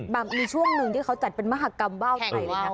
มีช่วงนึงที่เขาจัดเป็นมหกรรมว้าวไทย